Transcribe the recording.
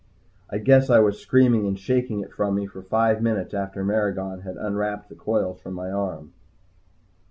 I guess I was screaming and shaking it from me for five minutes after Maragon had unwrapped the coils from my arm.